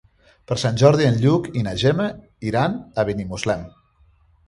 Per Sant Jordi en Lluc i na Gemma iran a Benimuslem.